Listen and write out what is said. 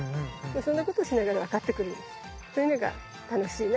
そんなことしながら分かってくるそういうのが楽しいなって思うし。